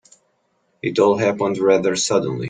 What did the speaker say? It all happened rather suddenly.